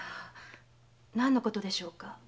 何のことでしょうか？